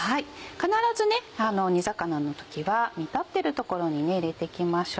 必ず煮魚の時は煮立ってるところに入れていきましょう。